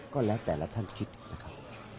ก็แล้วแต่ละท่านคิดนะครับ